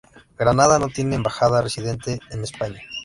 Granada no tiene Embajada residente en España.